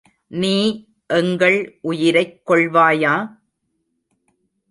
நீ எங்கள் உயிரைக் கொள்வாயா!